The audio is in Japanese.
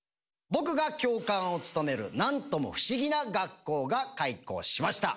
僕が教官を務めるなんとも不思議な学校が開校しました。